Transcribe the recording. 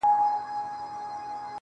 نکړې چا راټولي ستا تر غېږي اواره ګرځي.